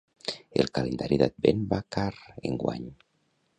El calendari d'advent va car, enguany.